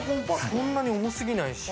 そんなに重すぎないし。